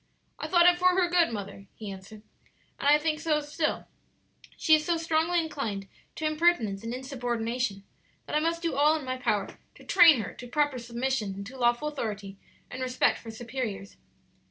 "I thought it for her good, mother," he answered; "and I think so still; she is so strongly inclined to impertinence and insubordination that I must do all in my power to train her to proper submission to lawful authority and respect for superiors."